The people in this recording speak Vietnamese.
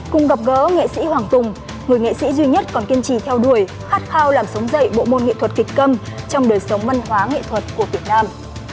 cùng gặp gỡ nghệ sĩ hoàng tùng người nghệ sĩ duy nhất còn kiên trì theo đuổi khát khao làm sống dậy bộ môn nghệ thuật kịch cầm trong đời sống văn hóa nghệ thuật của việt nam